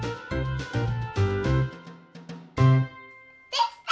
できた！